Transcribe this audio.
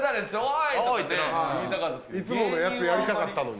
いつものやつやりたかったのに。